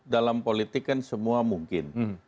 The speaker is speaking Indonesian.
dalam politik kan semua mungkin